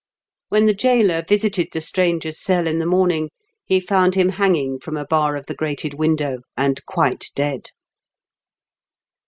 When the gaoler visited the stranger's cell in the morning, he found him hanging from a bar of the grated window, and quite dead.